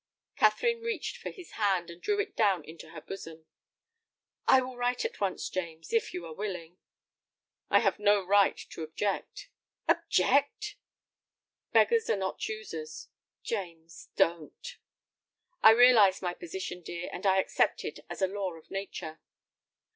Catherine reached for his hand, and drew it down into her bosom. "I will write at once, James, if you are willing." "I have no right to object." "Object!" "Beggars are not choosers." "James, don't." "I realize my position, dear, and I accept it as a law of nature."